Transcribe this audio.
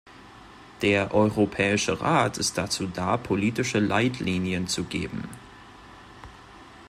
Der Europäische Rat ist dazu da, politische Leitlinien zu geben.